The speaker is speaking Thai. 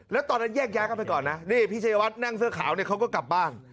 แล้วตอนนั้นแยกย้ายกันไปก่อนนะนี่พี่ชายวัดนั่งเสื้อขาวเนี่ยเขาก็กลับบ้าน